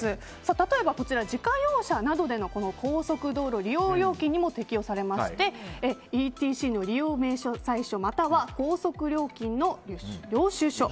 例えば、自家用車などでの高速道路利用料金にも適用されましてＥＴＣの利用明細書または高速料金の領収書。